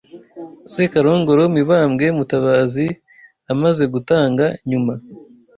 Sekarongoro Mibambwe MutabaziI amaze gutanga nyuma